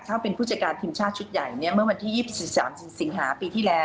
ถ้าเป็นผู้จัดการทีมชาติชุดใหญ่เนี่ยเมื่อวันที่๒๓สิงหาปีที่แล้ว